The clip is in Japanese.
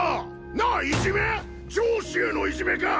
なあいじめ⁉上司へのいじめか！